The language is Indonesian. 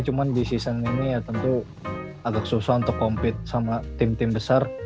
cuma di season ini ya tentu agak susah untuk compete sama tim tim besar